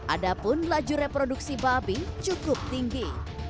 ada pun laju reproduksi babi cukup tinggi